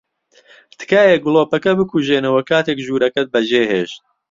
تکایە گڵۆپەکە بکوژێنەوە کاتێک ژوورەکەت بەجێھێشت.